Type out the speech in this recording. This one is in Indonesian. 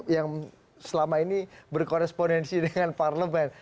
yang selama ini berkorespondensi dengan parlemen